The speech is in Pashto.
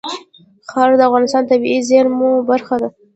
خاوره د افغانستان د طبیعي زیرمو برخه ده.